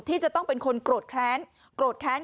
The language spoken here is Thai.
ที่จะต้องเป็นคนโกรธแคล้น